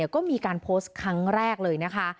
ก็มีการโพสต์ครั้งแรกเลยนะคะ